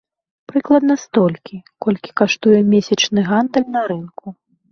Прыкладна столькі, колькі каштуе месячны гандаль на рынку.